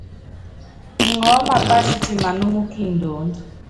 Iŋɔɔ́ mapása sítimaná mú kindoónd.